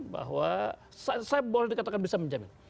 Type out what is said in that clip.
bahwa saya boleh dikatakan bisa menjamin